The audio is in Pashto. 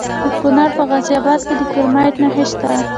د کونړ په غازي اباد کې د کرومایټ نښې شته.